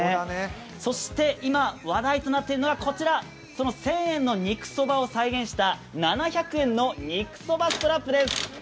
そして今、話題となっているのがこちら、１０００円の肉そばを再現した７００円の肉そばストラップです。